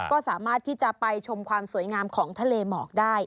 ก็สามารถที่จะไปชมความสวยงามของทะเลหมอกได้